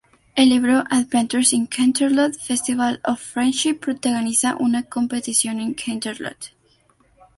El libro "Adventures in Canterlot", "Festival of Friendship", protagoniza una competición en Canterlot.